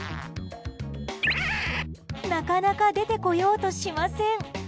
なかなか出てこようとしません。